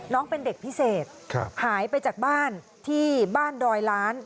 น้องเป็นเด็กพิเศษหายไปจากบ้านที่บ้านดอยล้าน